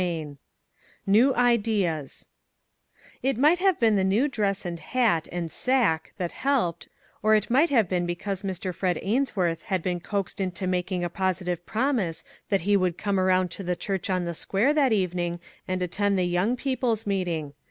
164 CHAPTER XI NEW IDEAS IT might have been the new dress and hat and sack that helped, or it might have been because Mr. Fred Ainsworth had been coaxed into making a positive promise that he would come around to the church on the " Square " that evening and attend the young people's meeting.